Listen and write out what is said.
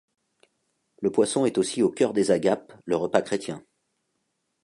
Le poisson est aussi au cœur de agapes, le repas chrétien.